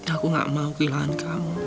aku gak mau kehilangan kamu